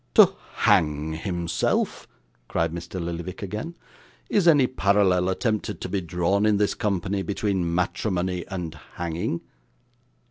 'To hang himself!' cried Mr. Lillyvick again. 'Is any parallel attempted to be drawn in this company between matrimony and hanging?